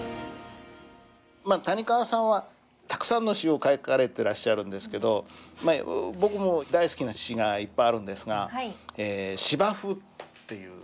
谷川さんはたくさんの詩を書かれてらっしゃるんですけど僕も大好きな詩がいっぱいあるんですが「芝生」っていう。